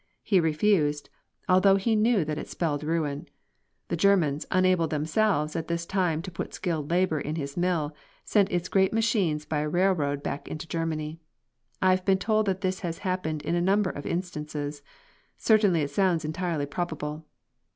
He refused, although he knew that it spelled ruin. The Germans, unable themselves at this time to put skilled labour in his mill, sent its great machines by railroad back into Germany. I have been told that this has happened in a number of instances. Certainly it sounds entirely probable.